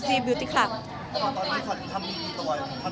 ตอนนี้ทำมีกี่ตัวทำผิวขึ้นมากี่ตัว